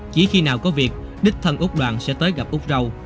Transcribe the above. chỉ khi nào có việc đích thân úc đoàn sẽ tới gặp úc râu